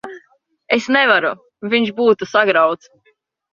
Es nevaru. Viņš būtu sagrauts.